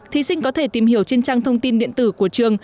thí sinh có thể tìm hiểu trên trang thông tin điện tử của trường